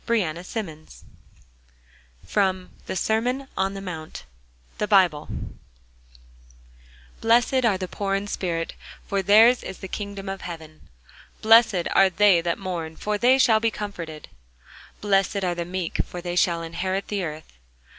CELIA THAXTER FROM "THE SERMON ON THE MOUNT" Blessed are the poor in spirit: for their's is the kingdom of heaven. Blessed are they that mourn: for they shall be comforted. Blessed are the meek: for they shall inherit the earth.